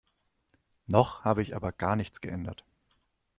Noch habe ich aber gar nichts geändert.